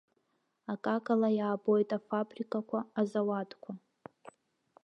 Акакала иаабоит афабрикақәа, азауадқәа.